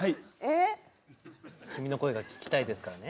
「君の声が聴きたい」ですからね。